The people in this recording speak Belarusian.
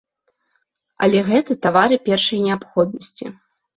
Але гэта тавары першай неабходнасці.